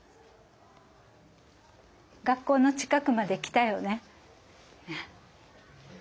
学校の近くまで来たよね。